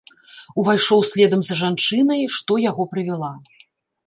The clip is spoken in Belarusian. Увайшоў следам за жанчынай, што яго прывяла.